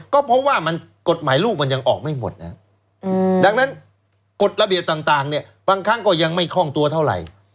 ก็เพราะว่ากฎหมายลูกมันยังออกไม่หมดนะครับดังนั้นกฎระเบียบต่างเนี่ยบางครั้งก็ยังไม่คล่องตัวเท่าไหร่